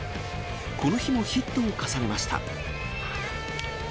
この日もヒットを重ねました。